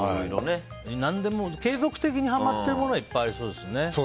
何でも継続的にはまっていることはありそうですね。